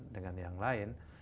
dengan yang lain